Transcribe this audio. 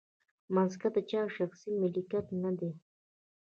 مځکه د چا د شخصي ملکیت نه ده.